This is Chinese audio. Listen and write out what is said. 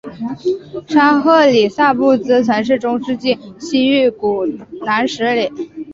沙赫里萨布兹曾是中世纪西域古国史国南十里。